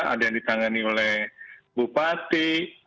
ada yang ditangani oleh bupati